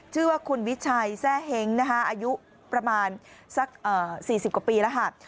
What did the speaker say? ชื่อว่าคุณวิชัยแซ่เหงอายุประมาณสัก๔๐กว่าปีแล้ว